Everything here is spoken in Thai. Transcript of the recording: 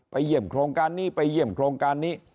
เยี่ยมโครงการนี้ไปเยี่ยมโครงการนี้